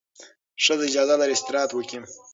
ښځه اجازه لري استراحت وکړي.